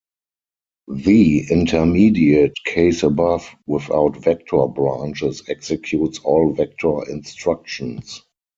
The intermediate case above, without vector branches, executes all vector instructions.